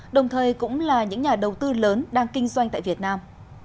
đồng thời cũng là những nhà đầu tư lớn đang kinh doanh tại việt nam